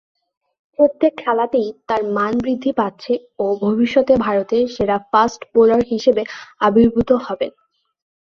প্রত্যেক খেলাতেই তার মান বৃদ্ধি পাচ্ছে ও ভবিষ্যতে ভারতের সেরা ফাস্ট বোলার হিসেবে আবির্ভূত হবেন।